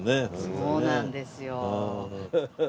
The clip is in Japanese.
そうなんですよ。